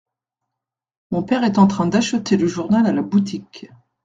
Mon père est en train d’acheter le journal à la boutique.